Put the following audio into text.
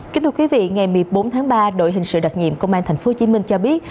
kính thưa quý vị ngày một mươi bốn tháng ba đội hình sự đặc nhiệm công an thành phố hồ chí minh cho biết